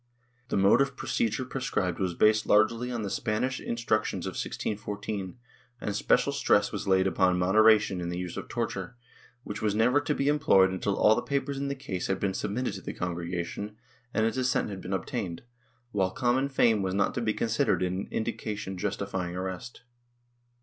The mode of procedure prescribed was based largely on the Spanish instructions of 1614, and special stress was laid upon moderation in the use of torture, which was never to be employed until all the papers in the case had been submitted to the Congregation and its assent had been obtained, while common fame was not to be considered an indication justifying arrest.